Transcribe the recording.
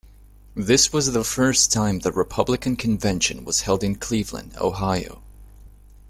This was the first time the Republican Convention was held in Cleveland, Ohio.